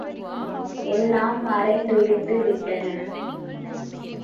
எல்லாம் மறைந்தொழிந்து விட்டன.